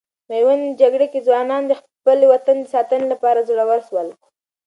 میوند جګړې کې ځوانان د خپل وطن د ساتنې لپاره زړور سول.